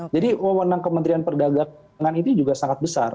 jadi kemenangan kementerian perdagangan ini juga sangat besar